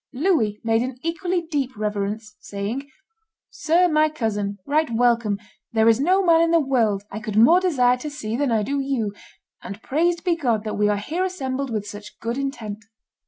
Louis made an equally deep reverence, saying, "Sir my cousin, right welcome; there is no man in the world I could more desire to see than I do you, and praised be God that we are here assembled with such good intent."